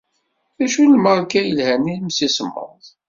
Accu lmeṛka i yelhan n imsismeḍ?